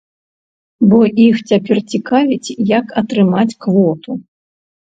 Бо іх цяпер цікавіць, як атрымаць квоту.